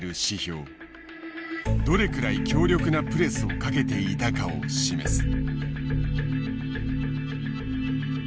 どれくらい強力なプレスをかけていたかを示す。